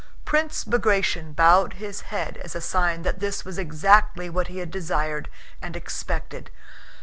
Prince Bagratión bowed his head as a sign that this was exactly what he had desired and expected.